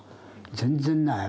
全然ない。